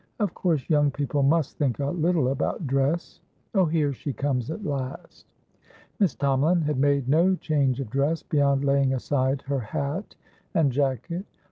Of course young people must think a little about dressOh, here she comes at last." Miss Tomalin had made no change of dress, beyond laying aside her hat and jacket.